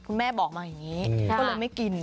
แม่บอกมาอย่างนี้ก็เลยไม่กิน